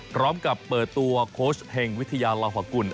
พร้อมกับเปิดตัวโค้ชเฮงวิทยาลาวหกุล